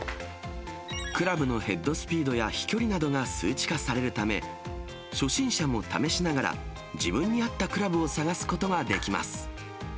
クラブのヘッドスピードや飛距離などが数値化されるため、初心者も試しながら、自分に合ったクラブを探すことができます。